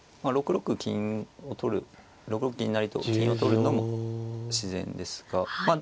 ６六金を取る６六銀成と金を取るのも自然ですがまあ